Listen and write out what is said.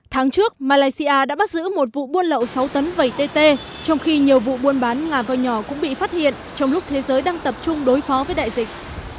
tháng trước malaysia đã bắt giữ một vụ buôn lậu sáu tấn vẩy tt trong khi nhiều vụ buôn bán ngà vào nhỏ cũng bị phát hiện trong lúc thế giới đang tập trung đối phó với đại dịch